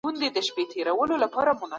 شمع به هم وي له محفله په ژړا وتلې